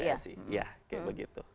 iya kayak begitu